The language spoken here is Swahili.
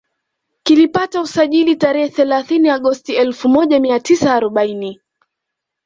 Kilipata usajili tarehe thealathini Agosti elfu moja mia tisa arobaini